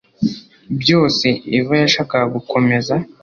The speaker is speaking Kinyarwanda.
Byose Eva yashakaga gukomeza